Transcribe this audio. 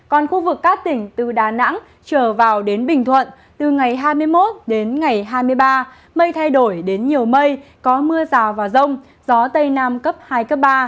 còn khu vực các tỉnh từ đà nẵng trở vào đến bình thuận từ ngày hai mươi một đến ngày hai mươi ba mây thay đổi đến nhiều mây có mưa rào và rông gió tây nam cấp hai cấp ba